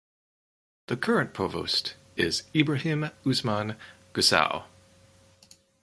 The current provost is Ibrahim Usman Gusau.